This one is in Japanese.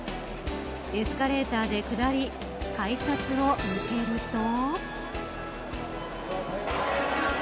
エスカレーターで下り改札を抜けると。